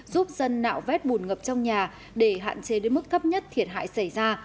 giúp dân nạo vét bùn ngập trong nhà để hạn chế đến mức thấp nhất thiệt hại xảy ra